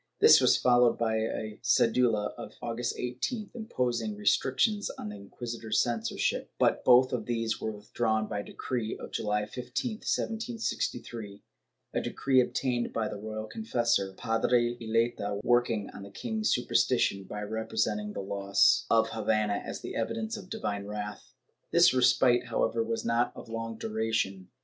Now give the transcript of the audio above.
This was followed by a cedula of August 18th imposing restrictions on inquisitorial cen sorship, but both of these were withdrawn by decree of July 15, 1763 — a decree obtained by the royal confessor. Padre Eleta, working on the king's superstition by representing the loss of Havana as an evidence of divine wrath. ^ This respite, however, was not of long duration.